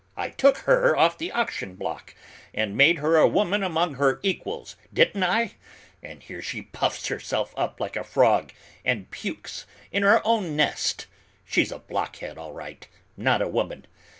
I took her off the auction block and made her a woman among her equals, didn't I? And here she puffs herself up like a frog and pukes in her own nest; she's a blockhead, all right, not a woman.